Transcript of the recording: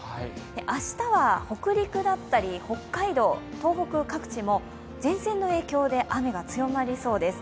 明日は北陸だったり北海道、東北各地も前線の影響で雨が強まりそうです。